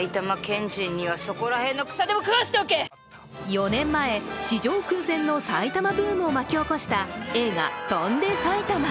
４年前、史上空前の埼玉ブームを巻き起こした映画「翔んで埼玉」。